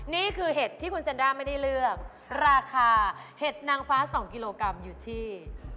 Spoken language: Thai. เห็ดที่คุณเซนด้าไม่ได้เลือกราคาเห็ดนางฟ้า๒กิโลกรัมอยู่ที่